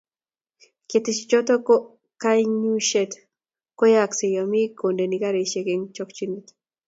keteshi choto ko kanyuiset koyayagse yomi kodendi karishek eng chokchinet